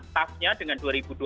tahapnya dengan dua ribu dua puluh